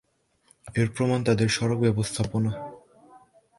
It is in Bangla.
এর প্রমাণ তাদের সড়ক ব্যবস্থাপনা।